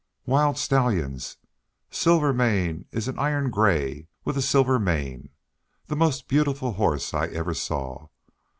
"Wild stallions. Silvermane is an iron gray, with a silver mane, the most beautiful horse I ever saw.